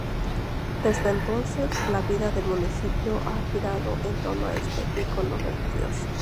Desde entonces la vida del Municipio ha girado en torno a este ícono religioso.